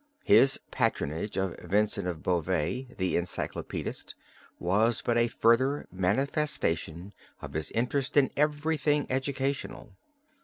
His patronage of Vincent of Beauvais, the encyclopedist, was but a further manifestation of his interest in everything educational.